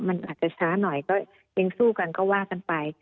มันอาจจะช้าหน่อยก็ยังสู้กันก็ว่ากันไป